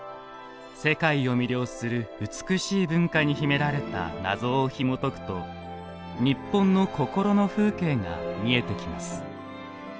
世界を魅了する美しい文化に秘められた謎をひもとくと日本の心の風景が見えてきます。